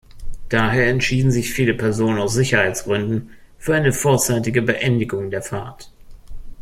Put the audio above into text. Daher entschieden sich viele Personen aus Sicherheitsgründen für eine vorzeitige Beendigung der Fahrt.